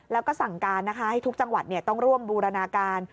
แล้วก็สั่งการนะคะให้ทุกจังหวัดต้องร่วมบูรณาการ